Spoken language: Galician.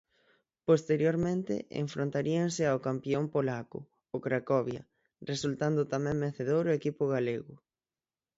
Posteriormente enfrontaríanse ao campión polaco, o Cracovia, resultando tamén vencedor o equipo galego.